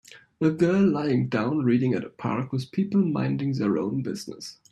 A girl laying down reading at a park with people minding their own business.